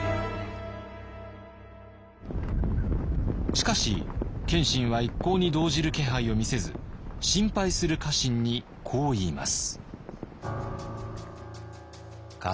しかし謙信は一向に動じる気配を見せず心配する家臣にこう言います。